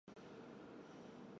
触摸你的秀发